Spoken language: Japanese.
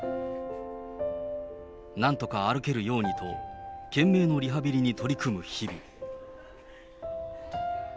なんとか歩けるようにと、懸命のリハビリに取り組む日々。